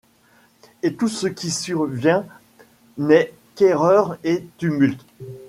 Et tout ce qui survient n'est qu'erreurs et tumultes ;